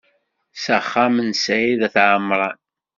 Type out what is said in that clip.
S axxam n Sɛid At Ɛemran.